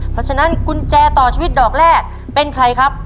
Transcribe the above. เพราะฉะนั้นกุญแจต่อชีวิตดอกแรกเป็นใครครับ